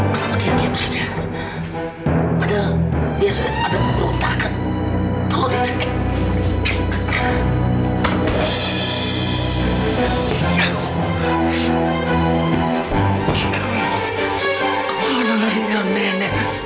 kemana larinya nenek